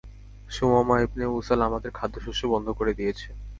Thumama ibne Usal আমাদের খাদ্যশস্য বন্ধ করে দিয়েছে।